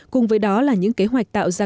cùng với đó là những kế hoạch tạo ra